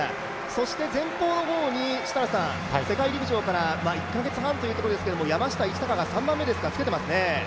そして前方の方に世界陸上から１か月半というところですけど、山下一貴が３番目につけていますね